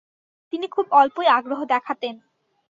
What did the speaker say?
তিনি খুব অল্পই আগ্রহ দেখাতেন।